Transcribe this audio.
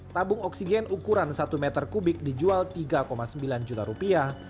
tabung oksigen ukuran satu meter kubik dijual tiga sembilan juta rupiah